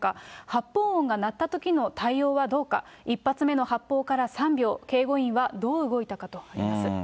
発砲音が鳴ったときの対応はどうか、１発目の発砲から３秒、警護員はどう動いたかといいます。